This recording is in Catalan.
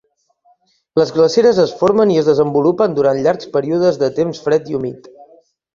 Les glaceres es formen i es desenvolupen durant llargs períodes de temps fred i humit.